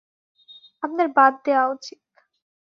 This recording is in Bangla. আপনার বাদ দেয়া উচিত।